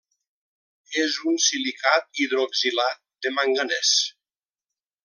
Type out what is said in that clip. És un silicat hidroxilat de manganès.